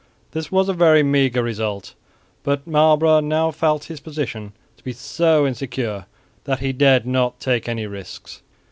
This was a very meagre result, but Marlborough now felt his position to be so insecure that he dared not take any risks.